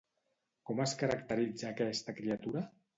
Com es caracteritza aquesta criatura?